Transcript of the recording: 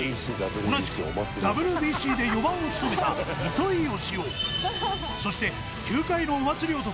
同じくＷＢＣで４番を務めた糸井嘉男そして球界のお祭り男